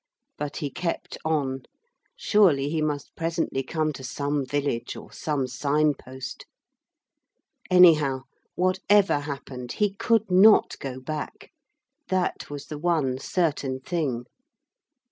But he kept on. Surely he must presently come to some village, or some signpost. Anyhow, whatever happened, he could not go back. That was the one certain thing.